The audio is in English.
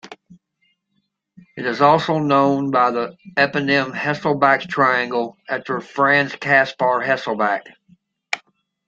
It is also known by the eponym Hesselbach's triangle, after Franz Kaspar Hesselbach.